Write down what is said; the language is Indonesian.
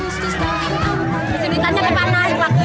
bisa ditanya kemana laki laki